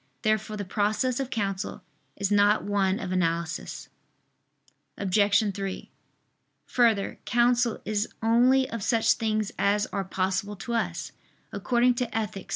Therefore the process of counsel is not one of analysis. Obj. 3: Further, counsel is only of such things as are possible to us, according to _Ethic.